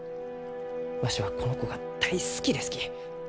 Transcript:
わしはこの子が大好きですき。